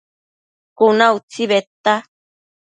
Cuna utsi bedta